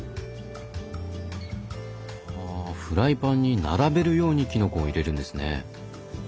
フライパンに並べるようにきのこを入れるんですね。